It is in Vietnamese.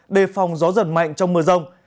đề phòng gió dần mạnh trong mưa rông